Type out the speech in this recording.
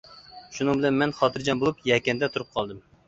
شۇنىڭ بىلەن مەن خاتىرجەم بولۇپ يەكەندە تۇرۇپ قالدىم.